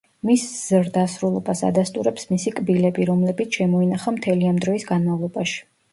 მის ზრდასრულობას ადასტურებს მისი კბილები, რომლებიც შემოინახა მთელი ამ დროის განმავლობაში.